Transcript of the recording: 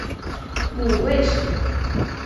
母魏氏。